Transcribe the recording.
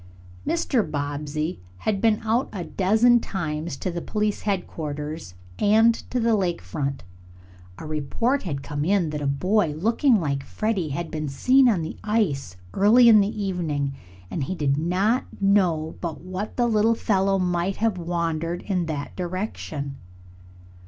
Mr. Bobbsey had been out a dozen times to the police headquarters and to the lake front. A report had come in that a boy looking like Freddie had been seen on the ice early in the evening, and he did not know but what the little fellow might have wandered in that direction.